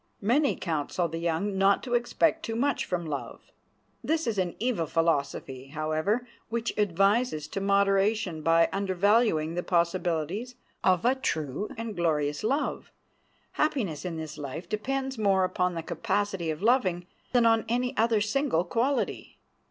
Many counsel the young not to expect too much from love. That is an evil philosophy, however, which advises to moderation by undervaluing the possibilities of a true and glorious love. Happiness in this life depends more upon the capacity of loving than on any other single quality.